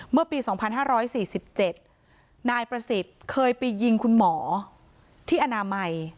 เมื่อปี๒๕๔๗นายประสิทธิ์เคยไปยิงคุณหมอที่อนามัย